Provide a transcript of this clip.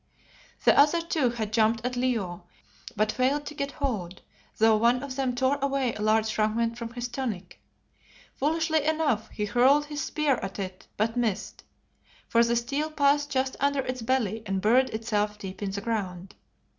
The other two had jumped at Leo, but failed to get hold, though one of them tore away a large fragment from his tunic. Foolishly enough, he hurled his spear at it but missed, for the steel passed just under its belly and buried itself deep in the ground.